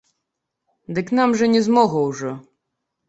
Дык нам жа не змога ўжо.